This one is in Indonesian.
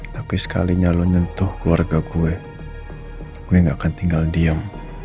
tapi sekalinya lo nyentuh keluarga gue gue gak akan tinggal diam